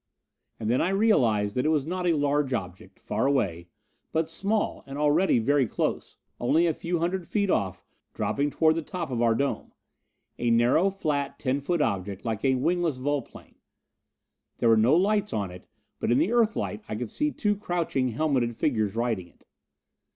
And then I realized that it was not a large object, far away, but small, and already very close only a few hundred feet off, dropping toward the top of our dome. A narrow, flat, ten foot object, like a wingless volplane. There were no lights on it, but in the Earthlight I could see two crouching, helmeted figures riding it.